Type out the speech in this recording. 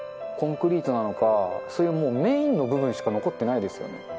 コンクリートなのか、そういうもう、メインの部分しか残ってないですよね。